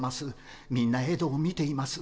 みんなエドを見ています。